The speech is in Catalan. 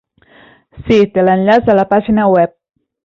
Sí, té l'enllaç a la pàgina web.